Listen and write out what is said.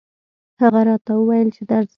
هغه راته وويل چې درځم